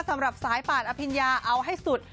สำหรับสายป่านอภิญญาเอาให้สุด